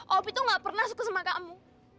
opi itu gak pernah suka sama kamu